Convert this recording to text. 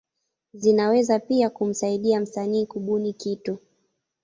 Zinaweza pia kumsaidia msanii kubuni kitu.